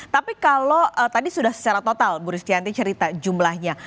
tapi kalau tadi sudah secara total bu ristianti cerita jumlahnya